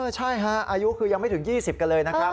ใช่ฮะอายุคือยังไม่ถึง๒๐กันเลยนะครับ